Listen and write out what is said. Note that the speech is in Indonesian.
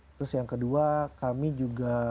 terus yang kedua kami juga